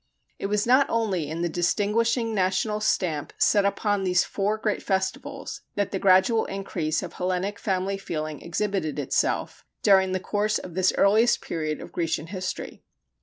It was not only in the distinguishing national stamp set upon these four great festivals, that the gradual increase of Hellenic family feeling exhibited itself, during the course of this earliest period of Grecian history.